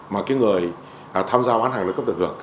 mà người tham gia bán hàng đa cấp được được